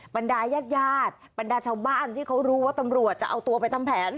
บรรดายาดบรรดาชาวบ้านที่เขารู้ว่าตำรวจจะเอาตัวไปทำแผน